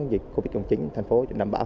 việc covid một mươi chín thành phố